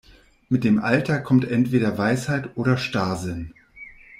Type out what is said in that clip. Mit dem Alter kommt entweder Weisheit oder Starrsinn.